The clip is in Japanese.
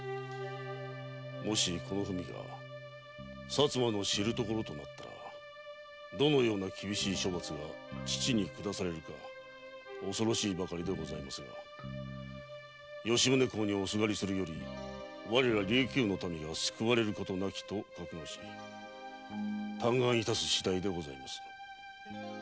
「もしこの文が薩摩の知るところとなったらどのような厳しい処罰が父に下されるか恐ろしいばかりでございますが吉宗公にお縋りするより我ら琉球の民が救われることなきと覚悟し嘆願いたすしだいでございます」